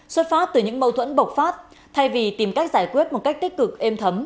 xuất phát từ những mâu thuẫn bộc phát thay vì tìm cách giải quyết một cách tích cực êm thấm